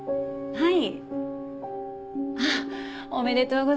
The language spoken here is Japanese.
はい。